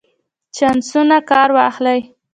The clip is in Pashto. چانسونو کار واخلئ.